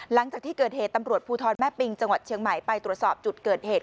หลังจากที่เกิดเหตุตำรวจภูทรแม่ปิงจังหวัดเชียงใหม่ไปตรวจสอบจุดเกิดเหตุ